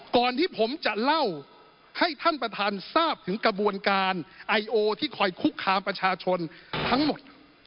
ก่อนที่ผมจะเล่าให้ท่านประธานทราบถึงกระบวนการไอโอที่คอยคุกคามประชาชนทั้งหมด